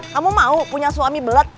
kamu mau punya suami belek